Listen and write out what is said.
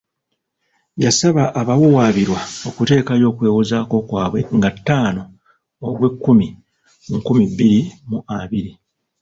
Yasaba abawawaabirwa okuteekayo okwewozaako kwabwe nga ttaano Ogwekkumi, nkumi bbiri mu abiri.